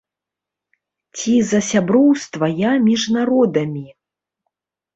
Ці за сяброўства я між народамі?